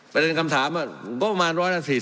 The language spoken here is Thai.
ประเด็นคำถามงบประมาณ๑๔๐